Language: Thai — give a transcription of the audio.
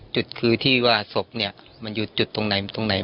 จุดคือที่ว่าสกมันอยู่จุดตรงไหนบ้าง